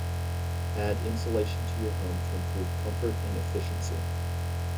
Add insulation to your home to improve comfort and efficiency